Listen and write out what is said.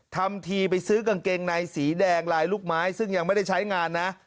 ทำทีไปซื้อกางเกงในสีแดงลายลูกไม้ซึ่งยังไม่ได้ใช้งานนะ